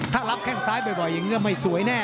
ถ้ารับแค่งซ้ายบ่อยยังไม่สวยแน่นะ